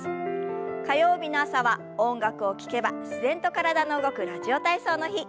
火曜日の朝は音楽を聞けば自然と体の動く「ラジオ体操」の日。